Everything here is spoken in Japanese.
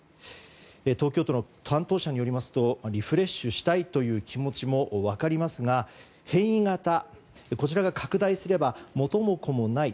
東京都の担当者によりますとリフレッシュしたいという気持ちも分かりますが変異型、こちらが拡大すれば元も子もない。